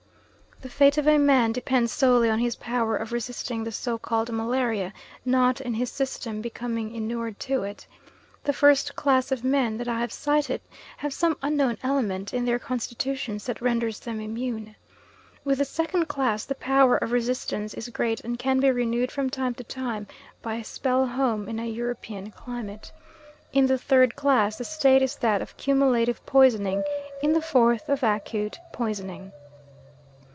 The fate of a man depends solely on his power of resisting the so called malaria, not in his system becoming inured to it. The first class of men that I have cited have some unknown element in their constitutions that renders them immune. With the second class the power of resistance is great, and can be renewed from time to time by a spell home in a European climate. In the third class the state is that of cumulative poisoning; in the fourth of acute poisoning.